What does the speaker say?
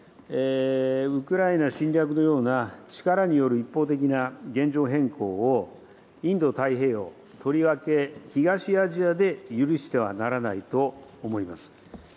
ウクライナ侵略のような力による一方的な現状変更を、インド太平洋、とりわけ東アジアで許してはならないと思います。